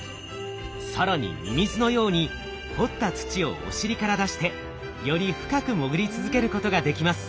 更にミミズのように掘った土をお尻から出してより深く潜り続けることができます。